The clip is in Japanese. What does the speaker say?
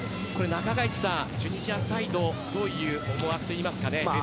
チュニジアサイドどういう思惑ですかね。